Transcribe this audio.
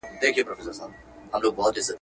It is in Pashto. اوس به څوك اوري آواز د پردېسانو.